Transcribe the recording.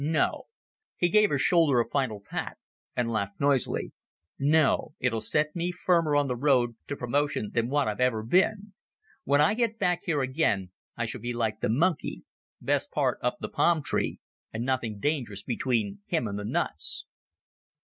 "No." He gave her shoulder a final pat, and laughed noisily. "No, it'll set me firmer on the road to promotion than what I've ever been. When I get back here again, I shall be like the monkey best part up the palm tree, and nothing dangerous between him and the nuts."